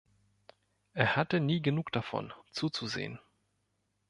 Er hatte nie genug davon, zuzusehen.